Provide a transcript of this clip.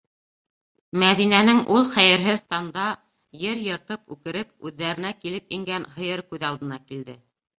- Мәҙинәнең ул хәйерһеҙ танда ер йыртып үкереп үҙҙәренә килеп ингән һыйыр күҙ алдына килде.